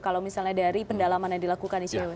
kalau misalnya dari pendalaman yang dilakukan icw